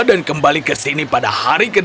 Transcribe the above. dan kembali ke sini pada hari ke delapan puluh